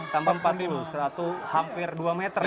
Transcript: tujuh puluh lima puluh tambah empat puluh seratus hampir dua meter ya